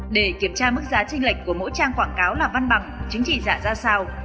để kiểm tra mức giá trinh lệch của mỗi trang quảng cáo làm văn bằng chính trị giả ra sao